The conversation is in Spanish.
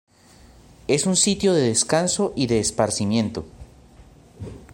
Es un sitio de descanso y de esparcimiento.